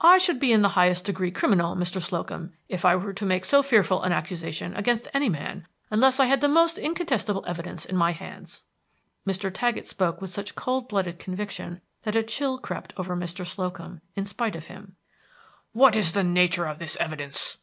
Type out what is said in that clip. "I should be in the highest degree criminal, Mr. Slocum, if I were to make so fearful an accusation against any man unless I had the most incontestable evidence in my hands." Mr. Taggett spoke with such cold blooded conviction that a chill crept over Mr. Slocum, in spite of him. "What is the nature of this evidence?"